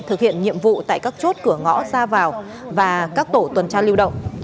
thực hiện nhiệm vụ tại các chốt cửa ngõ ra vào và các tổ tuần tra lưu động